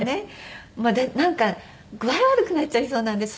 なんか具合悪くなっちゃいそうなんです